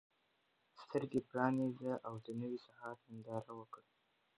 سترګې پرانیزه او د نوي سهار ننداره وکړه.